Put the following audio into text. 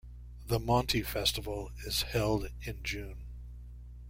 The Monti Festival is held in June.